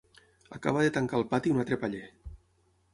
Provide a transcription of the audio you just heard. Acaba de tancar el pati un altre paller.